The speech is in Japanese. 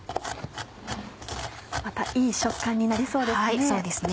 またいい食感になりそうですね。